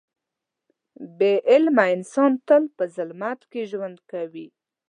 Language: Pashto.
بې علمه کسان تل په ظلمت کې ژوند کوي.